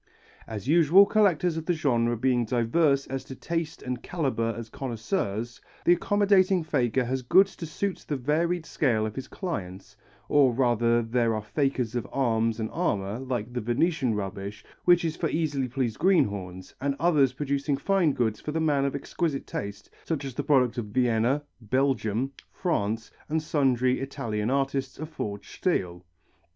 As usual, collectors of the genre being diverse as to taste and calibre as connoisseurs, the accommodating faker has goods to suit the varied scale of his clients, or rather there are fakers of arms and armour like the Venetian rubbish which is for easily pleased greenhorns, and others producing fine goods for the man of exquisite taste such as the product of Vienna, Belgium, France, and sundry Italian artists of forged steel.